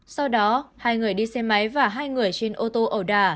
sau đó hai người đi xe máy và hai người trên ô tô ẩu đà